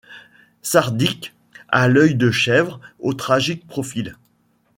Sardique a l’œil de chèvre, au tragique profil ;